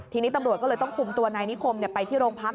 ทีนี้ตำรวจก็เลยต้องคุมตัวนายนิคมไปที่โรงพัก